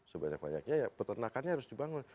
sebanyak banyaknya ya peternakannya harus dibangun